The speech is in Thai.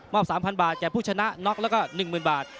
๓๐๐บาทแก่ผู้ชนะน็อกแล้วก็๑๐๐๐บาท